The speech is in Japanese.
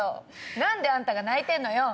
何であんたが泣いてるのよ。